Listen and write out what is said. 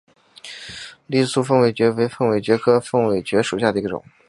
栗柄凤尾蕨为凤尾蕨科凤尾蕨属下的一个种。